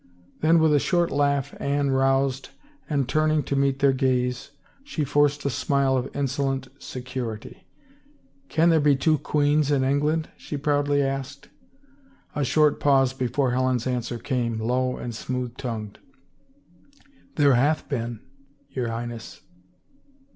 Then with a short laugh Anne roused and, turning to meet their gaze, she forced a smile of insolent se curity. Can there be two queens in England ?" she proudly asked. A short pause before Helen's answer came, low and smooth tongued. " There hath been, your Highness."